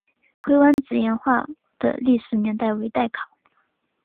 灰湾子岩画的历史年代为待考。